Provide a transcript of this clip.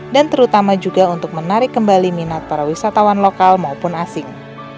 dan terutama juga untuk menarik kembali minat para wisatawan lokal maupun asing